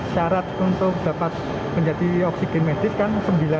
syarat untuk dapat menjadi oksigen medis kan sembilan puluh